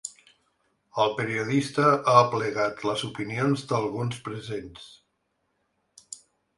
El periodista ha aplegat les opinions d’alguns presents.